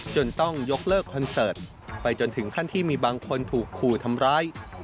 จนต้องยกเลิกคอนเสิร์ตไปจนถึงขั้นที่มีบางคนถูกขู่ทำร้าย